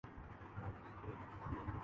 کام فورا شروع کردیتا ہوں